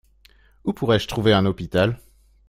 Où pourrais-je trouver un hôpital ?